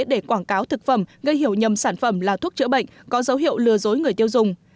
để quảng cáo thực phẩm gây hiểu nhầm sản phẩm là thuốc chữa bệnh có dấu hiệu lừa dối người tiêu dùng